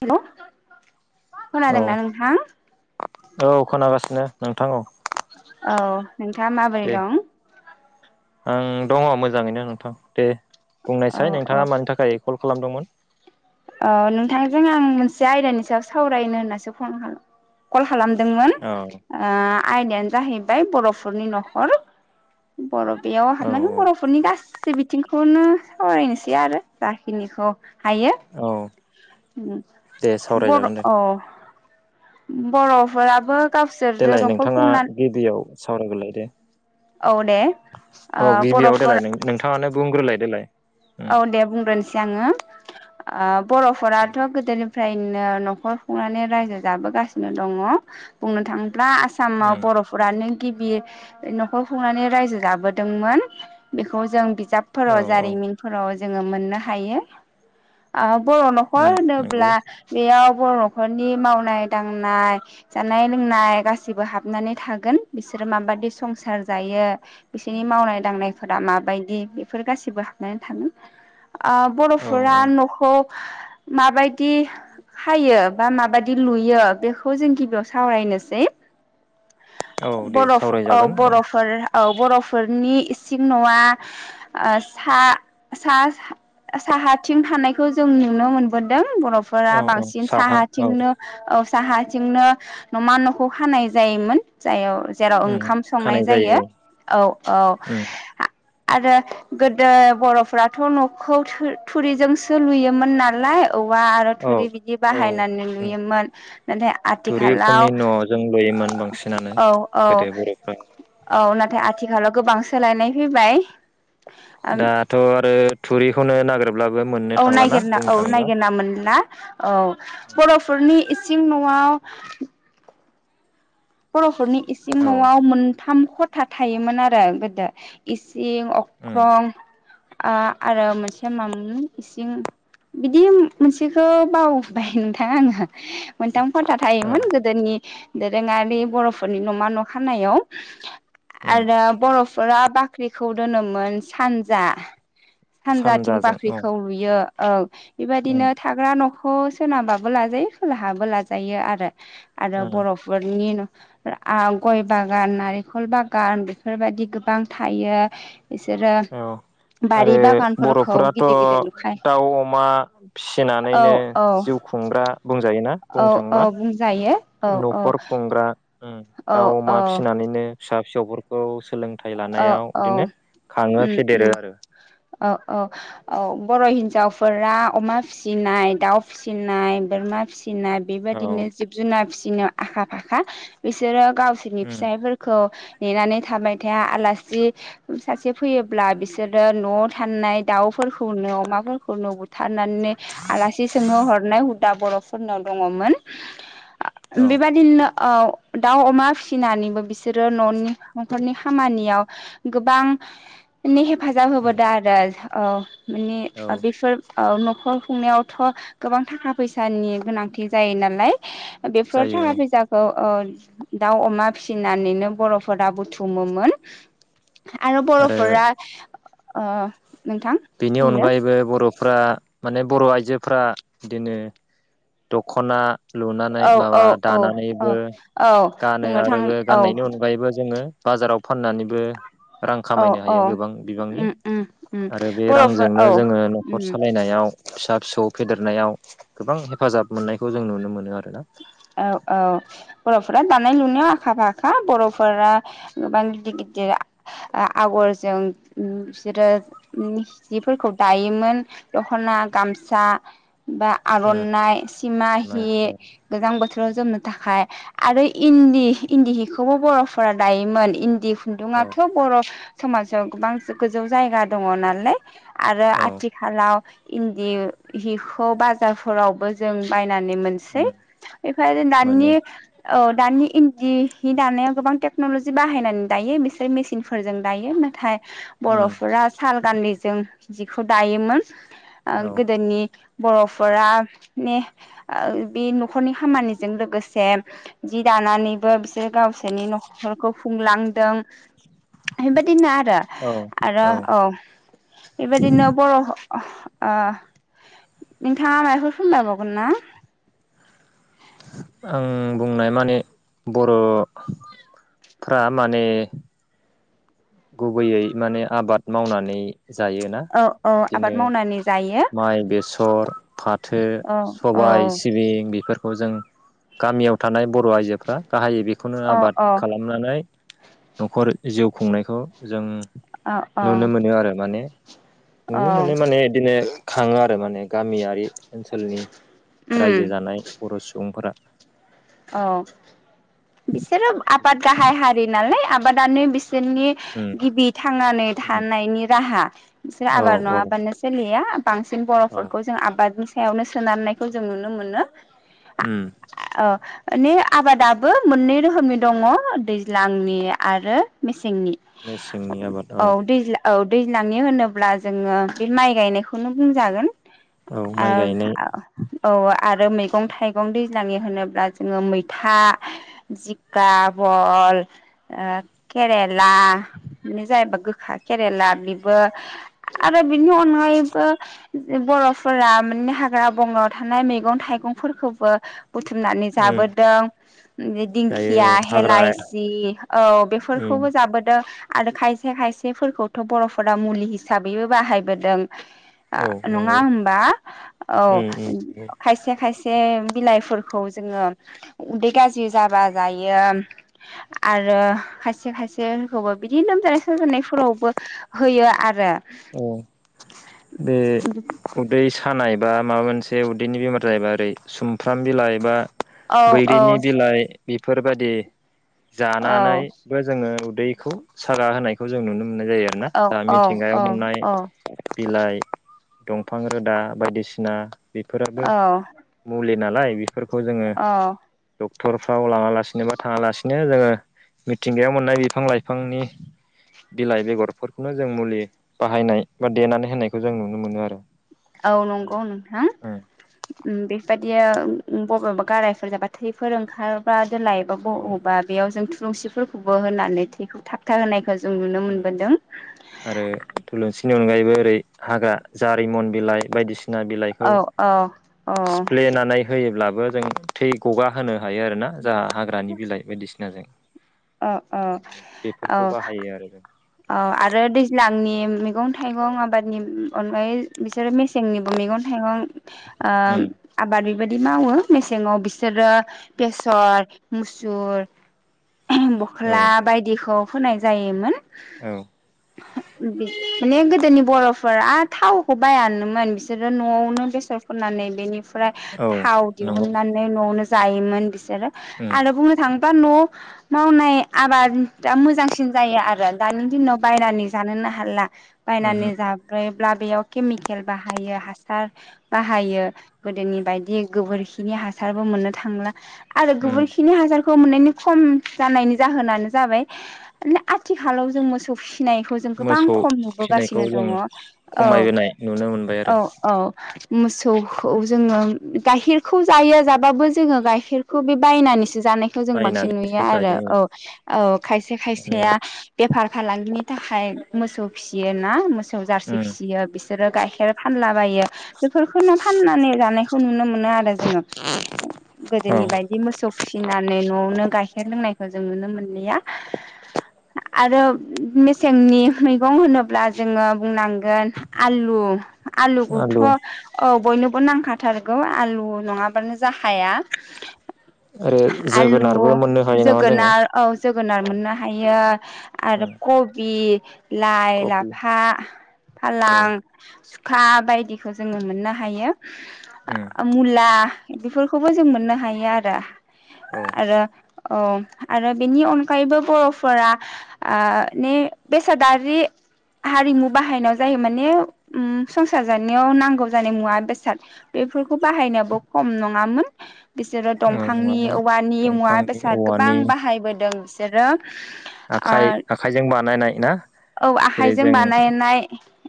हेल'। औ खोनादोंना नोंथां औ औ खोनागासिनो। नोंथां औ। औ नोंथाङा माबोरै दे दं? आं दङ मोजाङैनो नोंथां दे। औ बुंनायसाय नोंथाङा मानि थाखाय कल खालामदोंमोन? ओ नोंथांजों आं मोनसे आयदानि सायाव सावरायनो होन्नासो फन खालाम कल खालामदोंमोन औ ओ आयदायानो जाहैबाय बर'फोरनि न'खर। बर' बेयाव औ हाबनांगोन बर'फोरनि गासै बिथिंखौनो सावरायनोसै आरो जाखिनिखौ। हायो। औ दे [unintelligible] सावरायजागोन दे बर'औ बर'फोराबो गावसोरजों देलाय न'खर नोंथाङा खुंनानै गिबियाव औ दे ओ [unintelligible] औ गिबियाव बर'फोर देलाय नों नोंथाङानो। बुंग्रोलाय देलाय। उम औ दे बुंग्रोनोसै आङो। आ। बर'फोराथ' गोदोनि ओमफ्रायनो न'खर खुंनानै रायजो जाबोगासिनो दङ बुंनो थां ब्ला आसामाव उम बर'फोरानो गिबि न'खर खुंनानै रायजो जाबोदोंमोन बेखौ जों औ बिजाबफोराव औ जारिमिन फोराव जोङो मोननो हायो बर' उम नखर नंगौ होनोब्ला बेयाव बर'फोरनि मावनाय दांनाय जानाय लोंनाय गासिबो हाबनानै थागोन बिसोरो माबादि संसार जायो बिसोरनि मावनाय दांनायफोरा माबायदि बेफोर गासिबो [unintelligible] थाङो ओ औ बर'फोरा औ न'खौ माबायदि हायो बा माबायदि लुयो बेखौ जों गिबियाव सावरायनोसै औ दे बर' औ सावरायजागोन बर'फोर औ बर'फोरनि इसिं न'आ ओ सा सा साहाथिं थानायखौ जों नुनो मोनबोदों। बर'फोरा औ औ बांसिन साहा औ साहाथिंनो ओ साहाथिंनो न'मा न'खौ खानाय जायोमोन जाथाव जेराव उम ओंखाम संनाय खानाय जायो औ औ औ। उम आरो गोदो बर'फ्राथ' न'खौ थु थुरिजोंसो लुयोमोन नालाय। औवा आरो औ थुरि बिदि औ बाहायनानै उम नुयोमोन नाथाय थुरि आथिखालाव उखुमनि न'जों लुयोमोन बांसिनानो औ औ गोदो बर'फ्रा औ ओम फाय आथिखालाव गोबां सोलायनाय फैबाय दाथ' आरो थुरिखौनो नागिर औ नायगिरना औ नायगिरना मोनला औ बर'फोरनि इ सिं न'आव बर'फोरनि इसिं औ न'आव मोनथाम खथा थायोमोन आरो गोदो। इ सिं उम अख्रं आ आरो मोनसेया मामोन इसिं बिदि मोनसेखो बावबाय नोंथां आङो। मोनथाम खथा औ थायोमोन गोदोनि दोरोङारि रि बर'फोरनि न'मा न' खामनायाव। उम आरो बर' फोरा बाख्रिखौ दोनोमोन सानजा। सानजाथिं सानजाजों औ बाख्रिखौ लुयो। औ उम बेबायदिनो थाग्रा न' खौ सोनाबाबो लाजायो खोलाहाबो लाजायो आरो। आरो उम बर'फोरनि न आव गय बागान नारेंखल बागान बेफोरबायदि गोबां थायो। बिसोरो औ बारि आरो बागानफोरखौ बर'फोराथ' गिदिर गिदिर लुखाय दाउ अमा औ फिसिनानैनो औ जिउ खुंग्रा बुंजायो। औ औ बुंजायो। औ औ न'खर खुंग्रा। औ दाउ अमा औ फिसिनानैनो फिसा फिसौफोरखौ सोलों औ औ उम फेदेरो उम आरो औ औ औ। बर' हिन्जावफोरा अमा फिसिनाय दाउ फिसिनाय बोरमा फिसि [unintelligible] औ बेबादिनो जिब जुनार फिसि [unintelligible] आखा-फाखा बिसोरो गावसोरनि उम फिसायफोरखौ नेनानै थाबाय थाया आलासि सासे फैयोब्ला बिसोरो न'आव थानाय दाउफोरखौनो अमाफोरखौनो बुथार नानै आलासि सोंनो हरनाय हुदा बर'फ फोरनाव दङमोन। औ बिबादिनो औ दाउ अमा फिसिनानैबो बिसोरो न'नि न'खरनि खामानियाव गोबां हेफ फाजाब उम होबोदो आरो। औ। माने औ बेफोर औ न'खर खुंनायावथ' गोबां थाखा फैसानि गोनांथि जायो नालाय बेफोर जायो थाखा औ फैसाखौ ओ दाउ अमा फिसिनानैनो बर'फोरा बुथुम [inaudible] आरो आरो बर'फोरा अ। बेनि अनगायैबो बर'फ्रा माने बर' आइजोफ्रा बिदिनो दख'ना लुनानै औ औ माबा औ दानानैबो औ औ गानो बुंनो थां आरो औ गाननायनि अनगायैबो जोङो बाजाराव फाननानैबो रां औ खामायनो औ हायो गोबां बिबांनि उम उम उम आरो बे बर'फोर रांजोंनो औ जोङो न'खर उम सालायनायाव फिसा फिसौ फेदेरनायाव गोबां [inaudible] हेफाजाब मोननायखौ जों नुनो मोनो आरो ना। औ औ बर'फोरा दानाय लुनायाव आखा-फाखा बर'फोरा [unintelligible] आगरजों बिसोरो जिफोरखौ दायोमोन दख'ना, गामसा बा आरनाइ नाय सिमाहि औ जां बोथोराव जोमनो थाखाय आरो इन्दि इन्दिहिखौबो बर'फोरा दायोमोन इन्दि औ खुन्दुङाथ' बर' समासाव गोबां जो गोजौ जायगा दङ' नालाय आरो औ आथिखालाव इन्दि हिखौ बाजारफोरावबो जों बाय नानै मोनसै ओमफ्राय आरो दानि मोनो औ दानि इन्दिनि दानायाव गोबां टेक्नलजि बाहायनानै दायो बिसोर मेसिनफोरजों दायो नाथाय बर'फोरा साल गान्दैजों जिखौ दायोमोन ओ औ गोदोनि बर'फोरा बे ओ न'खरनि खामानिजों लोगोसे जि दानानैबो बिसोरो गावसोरनि न'खरखौ खुंलांदों बेबायदिनो आरो औ आरो औ बेबायदिनो बर' अ नोंथाङा माबाफोर फोरमायबावगोन ना आं बुंनाय माने बर' फ्रा माने गुबैयै माने आबाद मावनानै जायोना औ औ बिदिनो आबाद मावनानै जायो माइ बेसर फाथो औ सबाय औ सिबिं बेफोरखौ खौ जों गामियाव थानाय बर' आइजोफ्रा गाहायै बेखौनो औ आबाद औ खालामनानै न'खर जिउ खुंनायखौ जों औ औ नुनो मोनो आरो माने औ नुनो मोननाय माने बिदिनो खाङो आरो माने गामियारि ओनसोलनि उम रायजो जानाय बर' सुबुंफोरा अ बिसोरो आबाद गाहाय हारि नालाय आबादानो बिस बिसोरनि उम गिबि थांनानै थानायनि राहा बिसोर औ आबाद औ नङाबानो सोलिया बांसिन औ बर'फोरखौ जों आबाद सायावनो सोनारनायखौ जों नुनो मोनो। उम औ माने आबादाबो मोननै रोखोमनि दङ दैज्लांनि आरो मेस सेंनि मेसेंनि आबाद औ दैज्लां औ दैज्लांनि होनोब्ला जोङो बे माइ गायनायखौनो बुंजागोन औ आ माइ गायनाय औ आरो मैगं थाइगं दैज्लांनि होनोब्ला जोङो मैथा जिंका बल केरेला बे जाहैबाय गोखा केरेला बेबो आरो बिनि अनगायैबो बर'फोरा माने हाग्रा बंग्रायाव थानाय मैगं थाइगंफोरखौबो बुथुमनानै उम जाबोदों दायो दिंखिया औ हाग्रा हेलाइसि औ उम बेफोरखौबो जाबोदों आरो खायसे खायसेफोरखौथ' बर'फोरा मुलि हिसाबैबो बाहायबोदों औ नंगौ नङा होनबा औ उम उम नंगौ खायसे खायसे ए बिलाइफोरखौ जोङो उदै गाज्रि जाबा जायो आरो खायसे खायसेखौबो बिदि लोमजानाय साजानायफोरावबो होयो आरो औ बे उदै खानाय एबा माबा मोनसे उदैनि बेमार जायोैबा ओरै सुमफ्राम बिलाइ बा औ औ बैग्रिनि बिलाइ बेफोरबादि औ जानानैबो जोङो दैखौ सागा होनायखौ जों नुनो मोननाय जायो आरो ना औ जा औ मिथिंगायाव मोननाय औ बिलाइ दंफां रोदा बायदिसिना बेफोराबो औ मुलि नालाय बे फोरखौ जोङो औ द क्टरफ्राव लाङालासिनो बा थाङालासिनो जोङो मिथिंगायाव मोननाय बिफां लाइफांनि बिलाइ बेगरफोरखौनो जों मुलि बाहायनाय बा देनानै होनायखौ जों नुनो मोनो आरो औ नंगौ नोंथां उम बेफोर बायदिया बबेबा गारायफोर जाबा थैफोर ओंखारबा लायबाबो औ अबा बेयाव जों लुंसिफोरखौबो होनानै थैखौ थाबथा होनाय जों नुनो उम मोनबोदों आरो थुलुंसिनि अनगायैबो ओरै हाग्रा जारिमन बिलाइ बायदिसिन सिना औ बिलाइखौ सिफ्लेनानै होयोब्लाबो जों थै गगा होनो हायो आरोना जा हाग्रानि बिलाइ बायदिसिनाजों अ औ औ बेफोरखौ बाहायो आरो जों औ आरो दै दैज्लांनि मैगं थाइगं आबादनि अनगायै बिसोरो मेसेंनिबो मैगं थाइगं आ उम आबाद बेबादि मावो मेसेङाव बिसोरो बेसर मुसुर औ बख्ला बायदिखौ होनाय जायोमोन औ माने गोदोनि बर'फोरा थावखौ बायानोमोन बिसोरो न'आवनो बेसर फोननानै बेनि फ्राय औ थाव नंगौ दिहुननानै न'आवनो जायोमोन बि सोरो उम बुंनो थां बा न मावनाय आबादा मोजांसिन जायो आरो दानि दिनाव बायनानै जानोनो हाला उमहो बायनानै जाग्रा ब्ला बेयाव केमिकेल बाहायो हासार बाहायो गोदोनि बायदि गोबोरखिनि हासारबो मोननो थांला आरो उम गुबुरखिनि हाजार खौ मोननायनि खम जानायनि जाहोनानो जाबाय माने आथिखालाव जों मोसौ फि सिनायखौ जों गोबां मोसौ खम फिनायखौ नुबोगासिनो दङ जों औ खमायबोनाय नुनो मोनबाय आरो औ औ मोसौखौ जोंङो गाखिरखौ जायो जाबाबो जोंङो गाखिरखौ बे बायनानै जानायखौ जों बांसिन बायनानैसो नुयो। आरो जायो औ औ खायसे माने खायसेया बेफार फालांगिनि थाखाय मोसौ फिसियो ना मोसौ सौ जारसि उम फिसियो बिसोरो गाइखेर फानला बायो बेफोरखौ नो फाननानै जानायखौ नुनो मोनो आरो। जोंङो औ गोदोनि बायदि मोसौ फिसि इनानै न'आवनो गायख गाइखेर लोंनायखौ जों नुनो मोनलिया आरो मेसेंनि मैगं होनोब्ला जोङो बुंनांगोन आलु आलुखौथ' आलु औ बयनोब खन नांखाथारगौ आलु नंङाबानो जाखाया। ओरो आलु जोगोनारबो मोननो हायो नामा जोङो जोगोनार औ जोगोनार मोननो हायो आरो उम कबि यि लाइ कबि लाफा औ फालां खा बायदिखौ जोंङो मोननो हायो। उम मुला बेफोर खौबो जों मोननो हायो आरो, औ आरो औ आरो बेनि अनगायैबो बर'फोरा आ नि बेसादारि हारिमु बाहायनायाव जायो माने उम संसार जानायाव नांगौ जानाय मुवा बेसाद बेफोरखौ बाहायनायावबो खम नंङामोन। बिसोरो दंफांनि नङामोन औवानि मुवा दंफांनि बेस गोबां औवानि बाहायबोद [unintelligible] बिसोरो आ आखाइ आखाइजों बानायनाय ना औ जेरै आखाइजों जों बानायनाय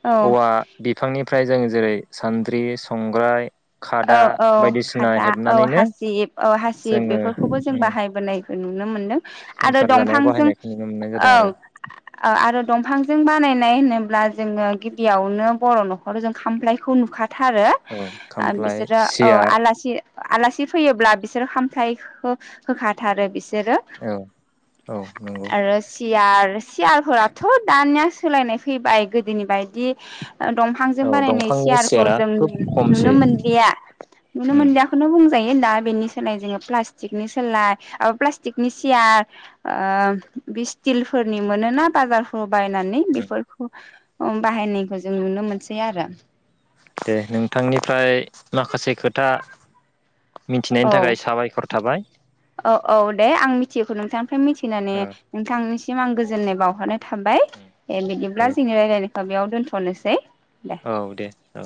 औ औवा बिफांनिफ्राय जों जेरै सान्द्रि संग्राय औ खादा औ बायदिसिना खादा औ हेबनानैनो हासिब औ हासिब जोङो बेफोरखौबो जों उम बाहायबोनाय ओ नुनो मोनदों। आरो संसार जानायाव दंफांजों बाहायनायखौ नुनो मोननाय औ जादों आरो औ आरो दंफांजों बानायनाय होनोब्ला जोङो गिबियावनो बर' न'खराव जों खामफ्लायखौ नुखा औ [unintelligible] खामफ्लाय बिसोरो औ सियार आलासि आलासि फैयोब्ला बिसोर खा हामथायखौ होखाथारो बिसो जेरो औ औ नंगौ आरो सियार सियारफोराथ' दानिया सोलायनाय फैबाय गोदोनि बायदि दंफांजों औ बानायनाय दंफांनि सियारखौ सियारा जों खोब [unintelligible] नुनो खमसै मोनलिया नुनो उम मोनलियाखौनो बुं जायो दा बेनि सोलाय जोङो प्लासटिक सोलाय ओ प्लासटिकनि सियार ओ बे स्टिल फोरनि मोनो ना बाजारफोराव बायनानै उम बेफोरखौ [unintelligible] बाहायनायखौ जों नुनो मोनसै आरो। दे नोंथांनिफ्राय माखासे खोथा मिथिनायनि औ थाखाय साबायखर थाबाय। औ औ दे आं मिथियोखौ नोंथां फाय मिथिनानै ओ नोंथांनिसिम आं गो जोननाय बावहरनाय थाबाय ए बिदिब्ला दे जोङो रायलाय बेयावनो दोनथ'नोसै। दे औ दे औ